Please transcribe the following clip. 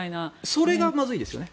それがまずいですよね。